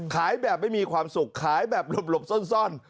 ขายแบบไม่มีความสุขขายแบบหลบซ่อน